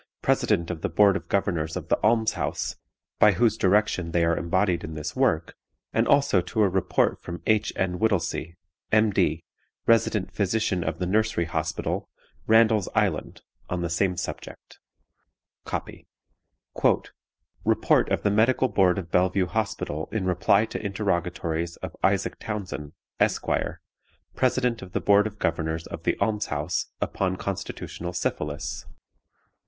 President of the Board of Governors of the Alms house (by whose direction they are embodied in this work); and also to a report from H. N. Whittelsey, M.D., Resident Physician of the Nursery Hospital, Randall's Island, on the same subject. (Copy.) "Report of the Medical Board of Bellevue Hospital in reply to Interrogatories of ISAAC TOWNSEND, _Esq., President of the Board of Governors of the Alms house, upon Constitutional Syphilis.